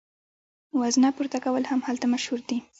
وزنه پورته کول هم هلته مشهور دي.